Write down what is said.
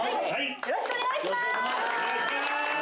よろしくお願いします！